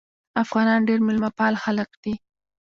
افغانان ډېر میلمه پال خلک دي.